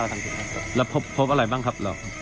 แล้วพบอะไรบ้างครับเหรอ